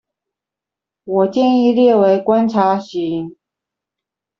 我建議列為觀察席